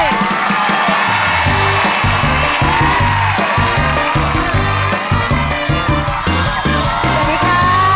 สวัสดีค่ะ